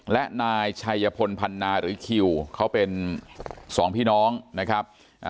และนายชัยพลพันนาหรือคิวเขาเป็นสองพี่น้องนะครับ